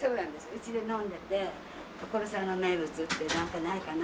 うちで飲んでて所沢の名物ってなんかないかな。